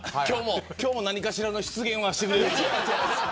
今日も何かしらの失言はしてくれる。